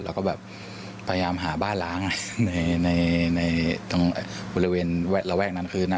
แล้วก็แบบพยายามหาบ้านหลังในบริเวณแวดระแวกนั้นคือนะ